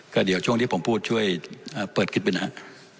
ก็เดี๋ยวช่วงที่ผมพูดช่วยเปิดคลิปไปนะครับ